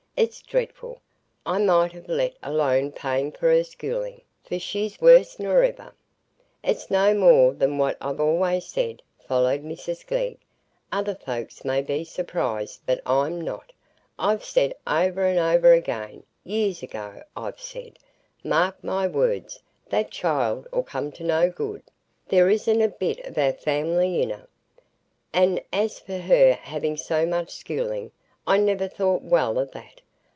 It's dreadful. I might ha' let alone paying for her schooling, for she's worse nor ever." "It's no more than what I've allays said," followed Mrs Glegg. "Other folks may be surprised, but I'm not. I've said over and over again,—years ago I've said,—'Mark my words; that child 'ull come to no good; there isn't a bit of our family in her.' And as for her having so much schooling, I never thought well o' that.